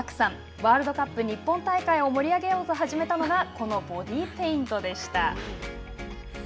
ワールドカップ日本大会を盛り上げようと始めたのがこのボディーペイントでした。